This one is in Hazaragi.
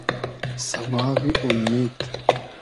سئماغی اومید